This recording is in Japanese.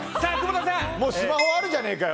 もうスマホあるじゃねえかよ。